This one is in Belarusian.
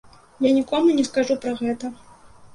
Я нікому не скажу пра гэта.